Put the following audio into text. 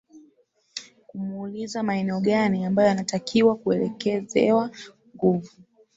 kumuuliza maeneo gani ambayo yanatakiwa kuelekezewa nguvu